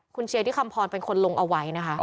คุณเชียร์ที่คำพรเป็นคนลงเอาไว้นะคะ